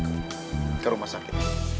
baik ke rumah sakit